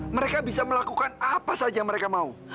mereka bisa melakukan apa saja yang mereka mau